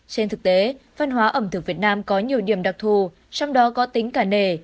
trên thực tế văn hóa ẩm thực việt nam có nhiều điểm đặc thù trong đó có tính cả nền